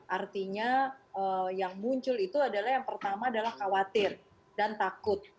artinya yang muncul itu adalah yang pertama adalah khawatir dan takut